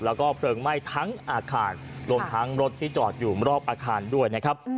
แล้วก็เพลิงไหม้ทั้งอาคารรวมทั้งรถที่จอดอยู่รอบอาคารด้วยนะครับ